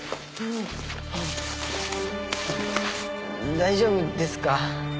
大丈夫ですか？